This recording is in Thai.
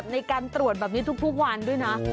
ในการตรวจแบบนี้ทุกวันด้วยนะ